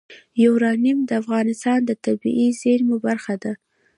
یورانیم د افغانستان د طبیعي زیرمو برخه ده.